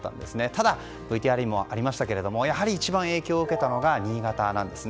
ただ、ＶＴＲにもありましたがやはり一番影響を受けたのが新潟なんですね。